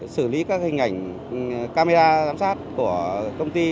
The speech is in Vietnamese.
xử lý các hình ảnh camera giám sát của công ty